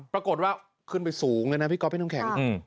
ปรากฏว่าขึ้นไปสูงเลยนะพี่ก๊อบพี่น้ำแข็ง